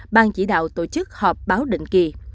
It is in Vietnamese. ban chỉ đạo tổ chức họp báo định kỳ